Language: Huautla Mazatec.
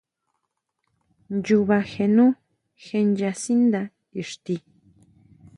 Nnyuba jénú je nyasíndá ixti.